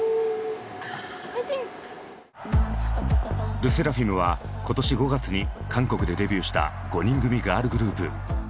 ＬＥＳＳＥＲＡＦＩＭは今年５月に韓国でデビューした５人組ガールグループ。